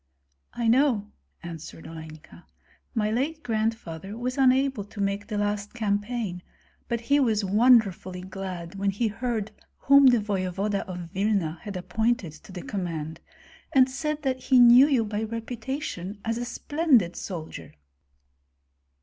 "I know," answered Olenka. "My late grandfather was unable to make the last campaign, but he was wonderfully glad when he heard whom the voevoda of Vilna had appointed to the command, and said that he knew you by reputation as a splendid soldier."